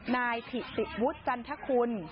นายผิดสิบวุฒิจันทะคุณ